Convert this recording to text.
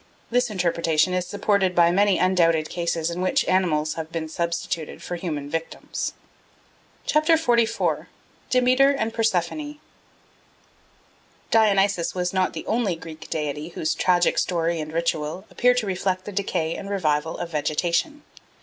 This interpretation is supported by many undoubted cases in which animals have been substituted for human victims. XLIV. Demeter and Persephone DIONYSUS was not the only Greek deity whose tragic story and ritual appear to reflect the decay and revival of vegetation.